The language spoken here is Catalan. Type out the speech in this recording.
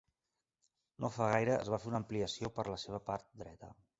No fa gaire es va fer una ampliació per la seva part dreta.